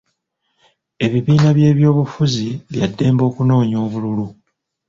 Ebibiina by'ebyobufuzi bya ddembe okunoonya obululu.